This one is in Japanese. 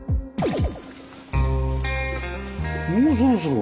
もうそろそろ。